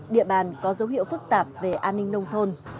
địa bàn có dấu hiệu phức tạp về an ninh nông thôn